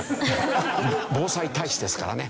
防災大使ですからね